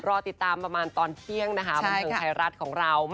รอติดตามประมาณตอนเที่ยงนะคะบันเทิงไทยรัฐของเรา